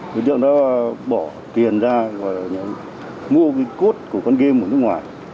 đối tượng đã bỏ tiền ra và mua cái cốt của con game ở nước ngoài